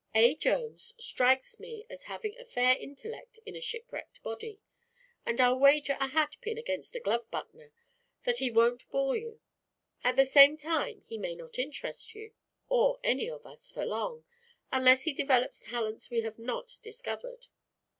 "A. Jones strikes me as having a fair intellect in a shipwrecked body, and I'll wager a hatpin against a glove buttoner that he won't bore you. At the same time he may not interest you or any of us for long, unless he develops talents we have not discovered.